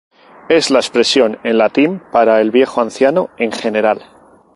Es la expresión en latín para el viejo anciano en general.